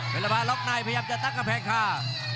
เพลภาร็อคไนท์พยายามจะตั้งกำแพงคา